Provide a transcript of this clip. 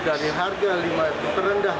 dari harga lima terendah